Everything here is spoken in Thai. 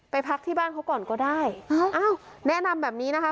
พักที่บ้านเขาก่อนก็ได้อ้าวแนะนำแบบนี้นะคะ